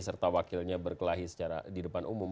serta wakilnya berkelahi secara di depan umum